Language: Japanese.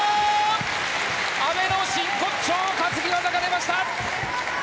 阿部の真骨頂担ぎ技が出ました！